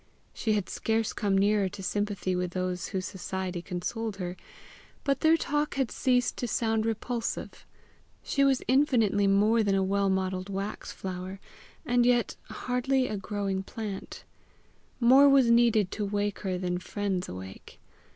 She had scarce come nearer to sympathy with those whose society consoled her, but their talk had ceased to sound repulsive. She was infinitely more than a well modelled waxflower, and yet hardly a growing plant. More was needed to wake her than friends awake.